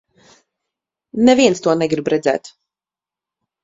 Neviens to negrib redzēt.